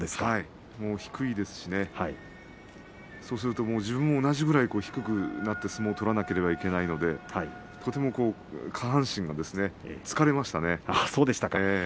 低いですし、そうすると自分も同じぐらい低くなって相撲を取らなければいけないのでとても下半身が疲れましたね。